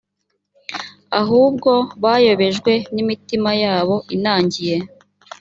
ahubwo bayobejwe n imitima yabo inangiye